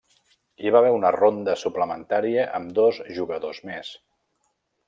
Hi va haver una ronda suplementària amb dos jugadors més.